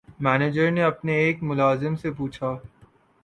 manager نے اپنے ایک ملازم سے پوچھا